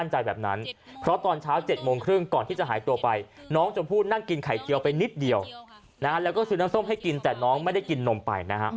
หายตัวไปน้องจะพูดนั่งกินไข่เจียวไปนิดเดียวแล้วก็ซื้อน้ำส้มให้กินแต่น้องไม่ได้กินนมไปนะฮะ